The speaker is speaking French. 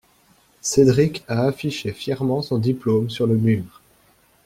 Cédric a affiché fièrement son diplôme sur le mur.